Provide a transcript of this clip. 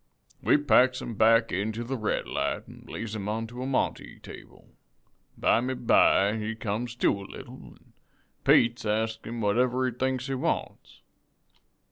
"We packs him back into the Red Light an' lays him onto a monte table. Bimeby he comes to a little an' Peets asks him whatever he thinks he wants.